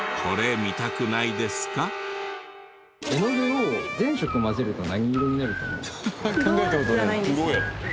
絵の具を全色混ぜると何色になると思いますか？